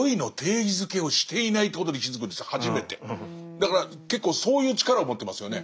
だから結構そういう力を持ってますよね。